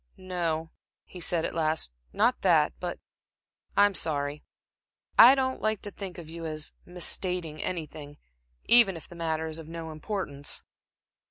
"No," he said, at last "not that; but I'm sorry. I don't like to think of you as misstating anything, even if the matter is of no importance."